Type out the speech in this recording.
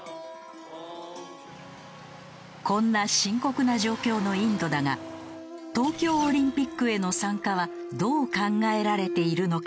こんな深刻な状況のインドだが東京オリンピックへの参加はどう考えられているのか？